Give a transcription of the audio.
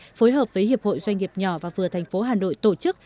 phối hợp với hiệp hội doanh nghiệp nhỏ và vừa thành phố hà nội tổ chức